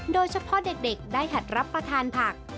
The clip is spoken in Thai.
โดยเฉพาะเด็กได้หัดรับประทานผัก